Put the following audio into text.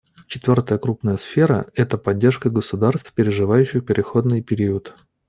Четвертая крупная сфера — это поддержка государств, переживающих переходный период.